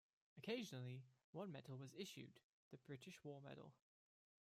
Occasionally one medal was issued, the British War Medal.